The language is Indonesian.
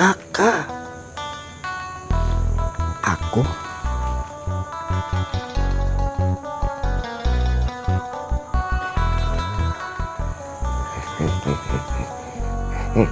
untungnya pake duke basil